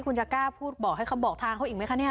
คุณจะกล้าพูดบอกให้เขาบอกทางเขาอีกไหมคะเนี่ย